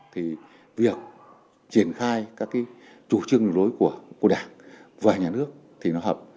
thì việc triển khai các chủ trương lối của đảng và nhà nước thì nó hợp